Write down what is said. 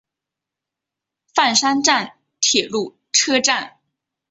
饭山站铁路车站。